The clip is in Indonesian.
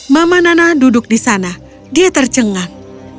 mama nana duduk di sana dia tercengang